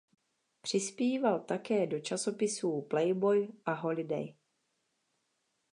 Přispíval také do časopisů "Playboy" a "Holiday".